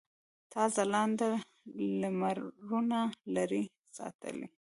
تا ځلاند لمرونه لرې ساتلي.